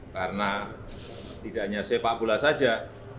karena tidak hanya sepak bola saja